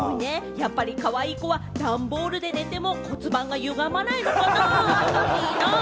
やっぱり、かわいい子は段ボールで寝ても骨盤も歪まないのかなぁ、いいなぁ。